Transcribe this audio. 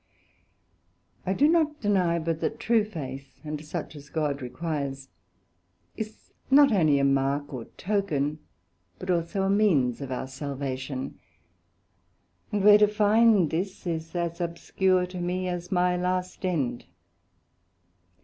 I do not deny, but that true Faith, and such as God requires, is not onely a mark or token, but also a means of our Salvation; but where to find this, is as obscure to me, as my last end.